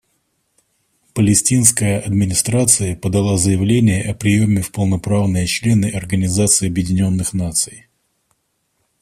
Палестинская администрация подала заявление о приеме в полноправные члены Организации Объединенных Наций.